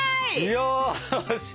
よし！